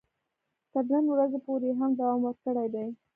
تر نن ورځې پورې یې هم دوام ورکړی دی.